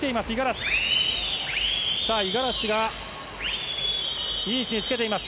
五十嵐が、いい位置につけています。